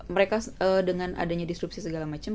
mereka dengan adanya disrupsi segala macam